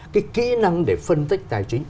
cái kỹ năng để phân tích tài chính